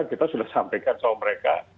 kita sudah sampaikan sama mereka